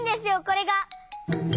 これが。